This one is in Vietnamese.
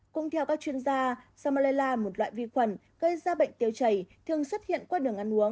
cũng theo các chuyên gia samollah một loại vi khuẩn gây ra bệnh tiêu chảy thường xuất hiện qua đường ăn uống